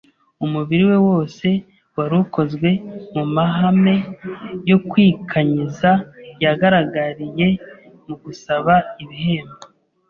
Umubiri we wose wari ukozwe mu mahame yo kwikanyiza yagaragariye mu gusaba ibihembo